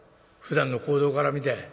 ふだんの行動から見て。